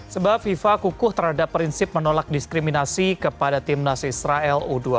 sebab fifa kukuh terhadap prinsip menolak diskriminasi kepada timnas israel u dua puluh